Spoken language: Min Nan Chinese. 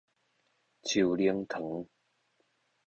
樹奶糖